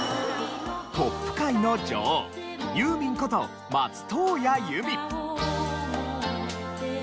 ポップ界の女王ユーミンこと松任谷由実。